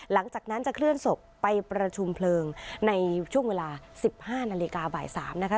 หลังจากนั้นจะเคลื่อนศพไปประชุมเพลิงในช่วงเวลา๑๕นาฬิกาบ่าย๓นะคะ